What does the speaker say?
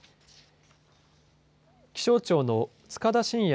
気象庁の束田進也